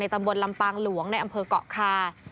ตำบลลำปางหลวงในอำเภอกเกาะคา